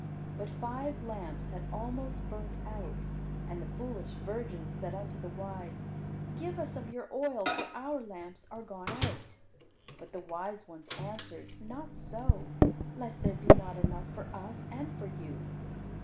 But five lamps had almost burnt out, and the foolish virgins said unto the wise, "Give us of your oil, for our lamps are gone out." But the wise ones answered, "Not so; lest there be not enough for us and for you.